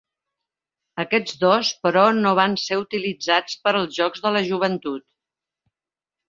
Aquests dos però no van ser utilitzats per als Jocs de la Joventut.